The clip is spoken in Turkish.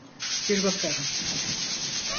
Bir bakarım.